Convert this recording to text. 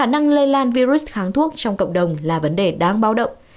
năng lây lan virus kháng thuốc trong cộng đồng là vấn đề đáng bao động